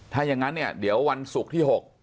ถ้าอย่างนั้นเนี่ยเดี๋ยววันศุกร์ที่๖